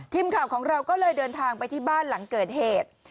ทีมข่าวของเราก็เลยเดินทางไปที่บ้านหลังเกิดเหตุ